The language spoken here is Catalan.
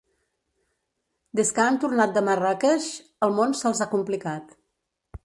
Des que han tornat de Marràqueix el món se'ls ha complicat.